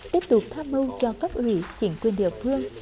tiếp tục tham mưu cho các ủy chiến quyền địa phương